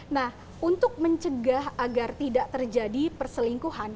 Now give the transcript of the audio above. nah untuk mencegah agar tidak terjadi perselingkuhan